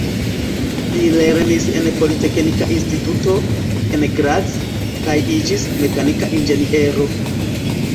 Li lernis en Politeknika Instituto, en Graz, kaj iĝis mekanika inĝeniero.